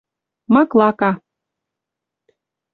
маклака